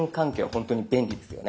ほんとに便利ですよね。